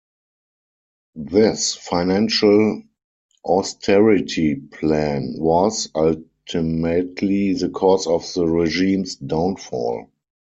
This financial austerity plan was, ultimately the cause of the regime's downfall.